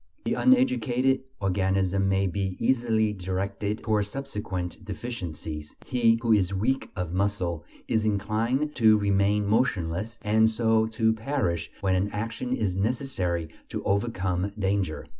The uneducated organism may be easily directed towards subsequent deficiencies; he who is weak of muscle is inclined to remain motionless, and so to perish, when an action is necessary to overcome danger.